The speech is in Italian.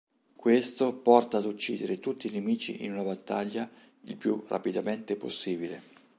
Questo porta ad uccidere tutti i nemici in una battaglia il più rapidamente possibile.